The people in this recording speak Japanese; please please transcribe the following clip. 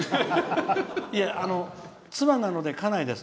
いえ、妻なので家内です。